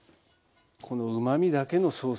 このうまみだけのソース